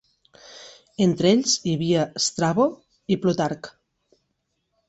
Entre ells hi havia Strabo i Plutarc.